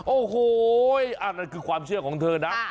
โอ้โหอันนั้นคือความเชื่อของเธอนะ